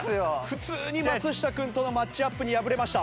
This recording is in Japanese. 普通に松下君とのマッチアップに敗れました。